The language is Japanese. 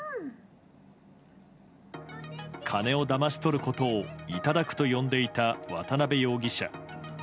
金をだまし取ることを頂くと呼んでいた渡辺容疑者。